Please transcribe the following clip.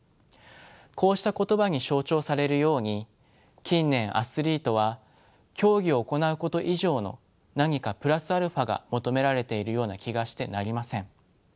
こうした言葉に象徴されるように近年アスリートは競技を行うこと以上の何かプラスアルファが求められているような気がしてなりません。